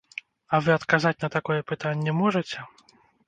А вы адказаць на такое пытанне можаце?